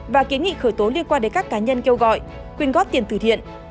và kiến nghị khởi tố liên quan đến các cá nhân kêu gọi quyên góp tiền tử thiện